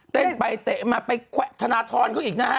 เต้นไปเตะมาไปธนทรเขาอีกนะฮะ